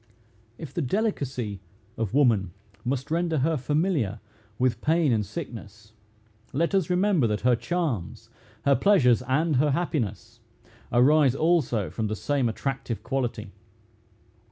If the delicacy of woman must render her familiar with pain and sickness, let us remember that her charms, her pleasures, and her happiness, arise also from the same attractive quality.